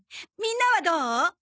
みんなはどう？